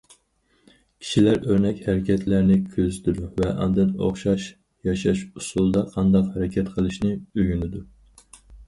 كىشىلەر ئۆرنەك ھەرىكەتلەرنى كۆزىتىدۇ ۋە ئاندىن ئوخشاش ياشاش ئۇسۇلىدا قاندا ھەرىكەت قىلىشنى ئۆگىنىدۇ.